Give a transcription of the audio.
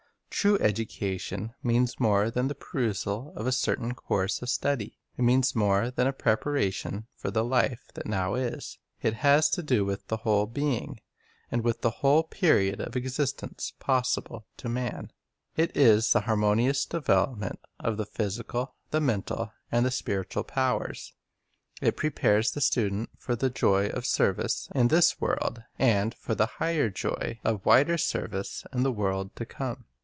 True education means more than the pursual of a certain course of study. It means more than a preparation for the life that now is. It has to what is i ii ill i ii ii i r Education do with the whole being, and with the whole period of existence possible to man. It is the harmonious devel opment of the physical, the mental, and the spiritual powers. It prepares the student for the joy of service in this world, and for the higher joy of wider service in the world to come.